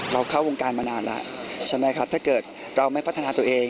เข้าวงการมานานแล้วใช่ไหมครับถ้าเกิดเราไม่พัฒนาตัวเอง